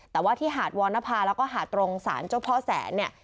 แต่ว่าที่หาดวอนภาแล้วก็หาดตรงสารเจ้าพ่อแสน